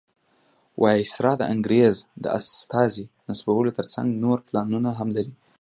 وایسرا د انګریز استازي نصبولو تر څنګ نور پلانونه هم لري.